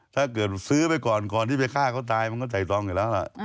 ถ้าเกิดซื้อไปก่อนก่อนที่ไปฆ่าเขาตายมันก็ใส่ตองอยู่แล้วล่ะ